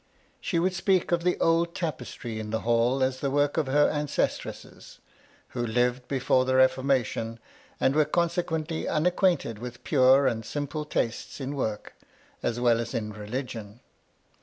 She would speak of the old tapestry in the hall as the work of her ancestresses, who lived before the Reformation, and were consequently un acquainted with pure and simple tastes in work, as well as in religion.